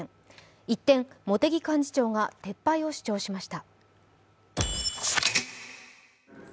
一転、茂木幹事長が撤廃を主張しました。